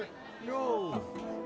よう